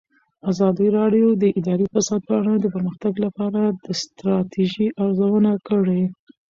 ازادي راډیو د اداري فساد په اړه د پرمختګ لپاره د ستراتیژۍ ارزونه کړې.